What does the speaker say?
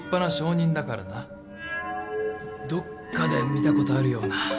どっかで見たことあるような。